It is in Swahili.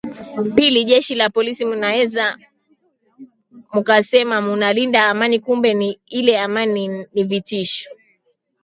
pili jeshi la polisi munaweza mukasema munalinda amani kumbe ile amani ni vitisho